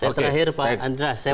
saya terakhir pak andras